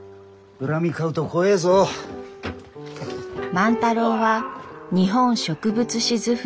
万太郎は「日本植物志図譜」